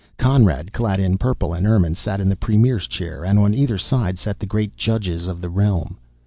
Conrad, clad in purple and ermine, sat in the premier's chair, and on either side sat the great judges of the realm.